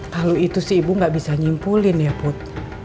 kalau itu si ibu gak bisa nyimpulin ya put